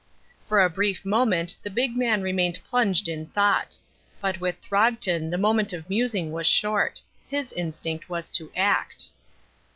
For a brief moment the big man remained plunged in thought. But with Throgton the moment of musing was short. His instinct was to act.